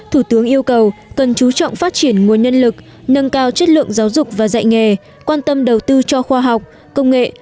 thủ tướng yêu cầu cần chú trọng phát triển nguồn nhân lực nâng cao chất lượng giáo dục và dạy nghề quan tâm đầu tư cho khoa học công nghệ